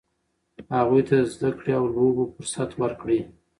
هغوی ته د زده کړې او لوبو فرصت ورکړئ.